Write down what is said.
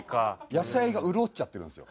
野菜が潤っちゃってるんですよ